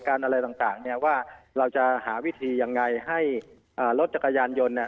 การอะไรต่างว่าเราจะหาวิธียังไงให้รถจักรยานยนต์